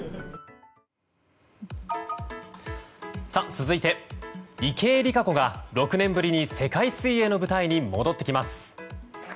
続いて池江璃花子が６年ぶりに世界水泳の舞台に戻ってきます。